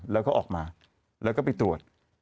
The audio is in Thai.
แล้วก็ออกมาแล้วก็ไปตรวจ